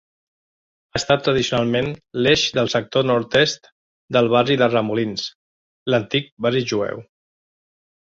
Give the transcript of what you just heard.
Ha estat tradicionalment l'eix del sector nord-est del barri de Remolins, l'antic barri jueu.